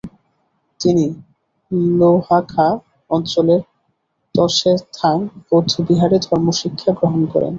তিনি ল্হো-খা অঞ্চলের র্ত্সে-থাং বৌদ্ধবিহারে ধর্মশিক্ষা গ্রহণ করেন।